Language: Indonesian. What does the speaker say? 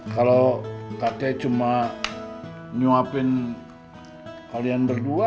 kalau kakek cuma nyuapin kalian berdua